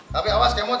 tapi awas kemot